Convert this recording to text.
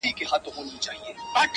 خان به د لویو دښمنیو فیصلې کولې-